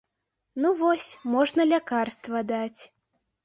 Ну, вось, можна лякарства даць.